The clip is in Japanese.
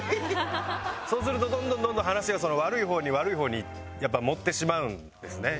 そうするとどんどんどんどん話が悪い方に悪い方にやっぱ盛ってしまうんですね。